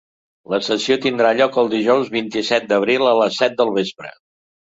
La sessió tindrà lloc el dijous vint-i-set d’abril a les set del vespre.